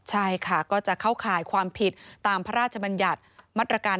ใช่ค่ะก็จะเข้าข่ายความผิดตามพระราชบัญญัติมาตรการ